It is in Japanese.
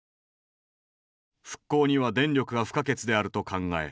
「復興には電力が不可欠である」と考え